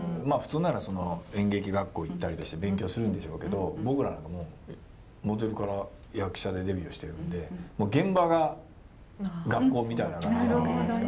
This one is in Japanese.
普通なら演劇学校行ったりして勉強するんでしょうけど僕なんかもうモデルから役者でデビューしてるんでもう現場が学校みたいな感じ。